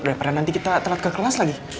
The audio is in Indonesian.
daripada nanti kita telat ke kelas lagi